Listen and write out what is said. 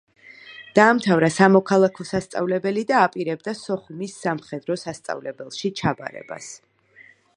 დაამთავრა სამოქალაქო სასწავლებელი და აპირებდა სოხუმის სამხედრო სასწავლებელში ჩაბარებას.